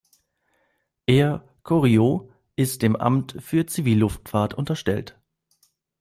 Air Koryo ist dem Amt für Zivilluftfahrt unterstellt.